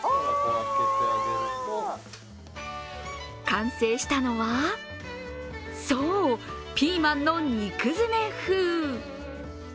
完成したのは、そうピーマンの肉詰め風。